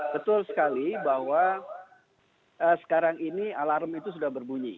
betul sekali bahwa sekarang ini alarm itu sudah berbunyi